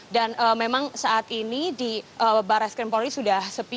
dan memang saat ini di barat skrim polri sudah sepi